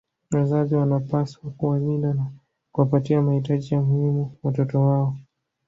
Wazazi wanawapaswa kuwalinda na kuwapatia mahitaji ya muhimu watoto wao